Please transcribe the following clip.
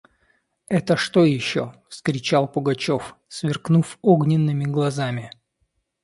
– Это что еще! – вскричал Пугачев, сверкнув огненными глазами.